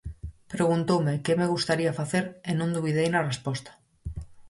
Preguntoume que me gustaría facer e non dubidei na resposta.